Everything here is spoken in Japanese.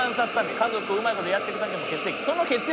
家族をうまいことやっていくための血液。